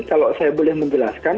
kalau saya boleh menjelaskan